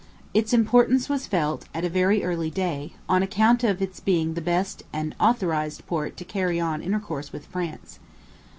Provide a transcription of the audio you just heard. Its importance was felt at a very early day, on account of its being the best and authorized port to carry on intercourse with France.